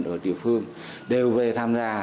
ở địa phương đều về tham gia